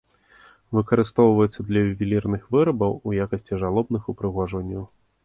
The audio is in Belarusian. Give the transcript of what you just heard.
Выкарыстоўваецца для ювелірных вырабаў, у якасці жалобных упрыгожванняў.